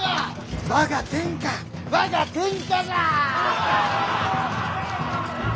我が天下我が天下じゃ！